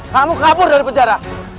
kamu kabur dari penjara